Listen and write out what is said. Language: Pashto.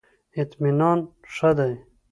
اطمینان ښه دی.